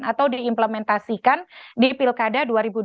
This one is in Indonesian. atau diimplementasikan di pilkada dua ribu dua puluh